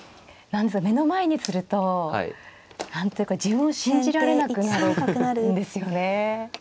目の前にすると何ていうか自分を信じられなくなるんですよね。